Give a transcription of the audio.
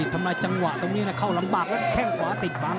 ทำลายจังหวะตรงนี้นะเข้ารำบากและแค่งขวาติดบ้าง